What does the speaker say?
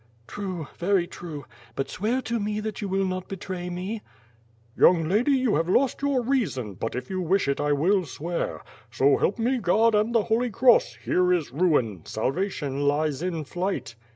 "True, very true, but swear to me that you will not betray me!" "Young lady you have lost your reason, ])ut if you wish it I will swear. So help me God and the iloly Cross, here is ruin; salvation lies in flight."